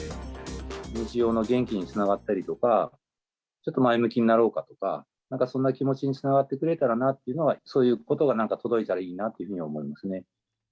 日常の元気につながったりとか、ちょっと前向きになろうかとか、なんかそんな気持ちにつながってくれたらなと、そういうことがなんか届いたらいいなっていうふうに思いますね。